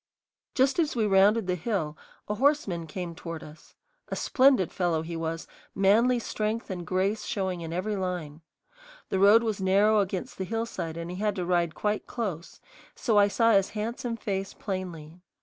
Just as we rounded the hill a horseman came toward us. A splendid fellow he was, manly strength and grace showing in every line. The road was narrow against the hillside and he had to ride quite close, so I saw his handsome face plainly.